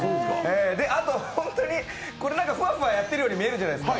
あと、本当にふわふわやってるように見えるじゃないですか。